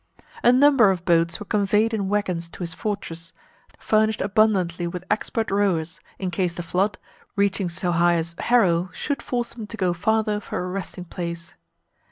A number of boats were conveyed in wagons to his fortress, furnished abundantly with expert rowers, in case the flood, reaching so high as Harrow, should force them to go farther for a resting place.